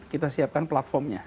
kita siapkan platformnya